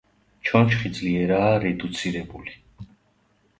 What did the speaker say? ჩონჩხი ძლიერაა რედუცირებული.